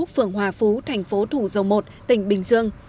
phường hòa phú thành phố thủ dầu một tỉnh bình dương